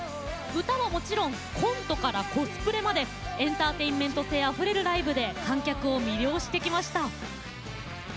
歌はもちろんコントからコスプレまでエンターテインメント性あふれるライブで観客を魅了してきました。